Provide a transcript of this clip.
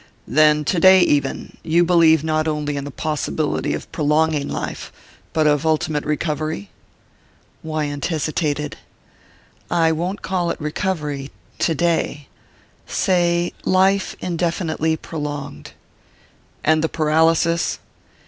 "Then, today even, you believe not only in the possibility of prolonging life, but of ultimate recovery?" Wyant hesitated. "I won't call it recovery today. Say life indefinitely prolonged." "And the paralysis?"